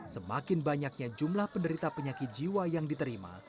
semakin banyaknya jumlah penderita penyakit jiwa yang diterima